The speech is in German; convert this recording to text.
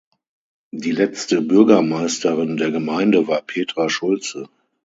Die letzte Bürgermeisterin der Gemeinde war Petra Schulze.